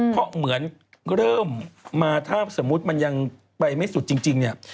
เพราะเหมือนเริ่มมาถ้าสมมุติมันยังไปไม่สุดจริงเนี่ย